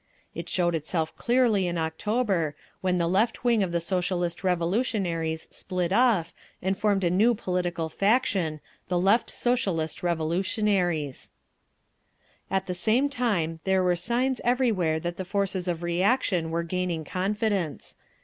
It showed itself clearly in October, when the left wing of the Socialist Revolutionaries split off, and formed a new political faction, the Left Socialist Revolutionaries. See Notes and Explanations. At the same time there were signs everywhere that the forces of reaction were gaining confidence.